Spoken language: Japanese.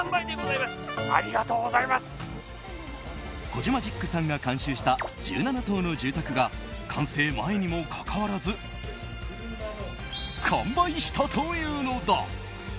コジマジックさんが監修した１７棟の住宅が完成前にもかかわらず完売したというのだ。